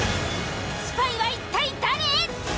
スパイは一体誰！？